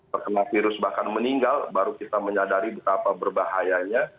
terkena virus bahkan meninggal baru kita menyadari betapa berbahayanya